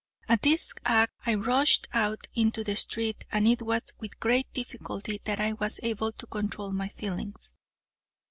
At this act I rushed out into the street, and it was with great difficulty that I was able to control my feelings.